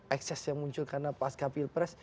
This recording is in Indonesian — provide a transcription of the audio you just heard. ekses yang muncul karena pas kapil pres